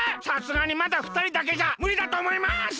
さすがにまだ二人だけじゃむりだとおもいます！